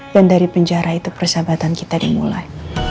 dan dari penjara itu persahabatan kita dimulai